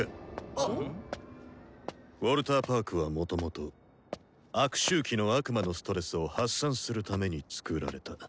あ⁉ウォルターパークはもともと悪周期の悪魔のストレスを発散するためにつくられた。